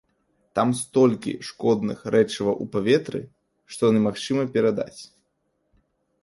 Там столькі шкодных рэчываў у паветры, што немагчыма перадаць.